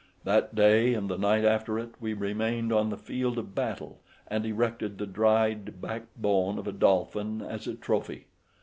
That day, and the night after it, we remained on the field of battle, and erected the dried backbone of a dolphin as a trophy.